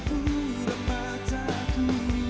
terkoyak ulan padaku